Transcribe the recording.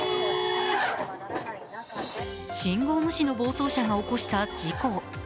信号無視の暴走車が起こした事故。